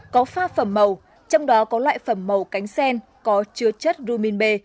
có pha phẩm màu trong đó có loại phẩm màu cánh sen có chứa chất rumin b